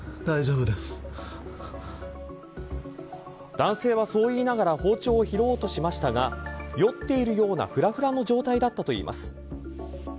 男性はそう言いながら包丁を拾おうとしましたが酔っているような、ふらふらの状態だったといいます。